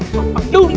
dung dung dung